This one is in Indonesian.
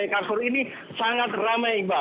itc carrefour ini sangat ramai iba